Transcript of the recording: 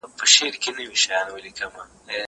زه اوږده وخت واښه راوړم وم؟!